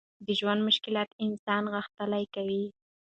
د ژوند مشکلات انسان غښتلی کوي.